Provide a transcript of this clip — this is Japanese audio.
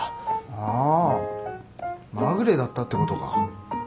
あぁまぐれだったってことか。